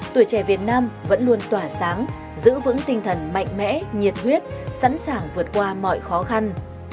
tuổi trẻ việt nam vẫn luôn tỏa sáng giữ vững tinh thần mạnh mẽ nhiệt huyết sẵn sàng vượt qua mọi khó khăn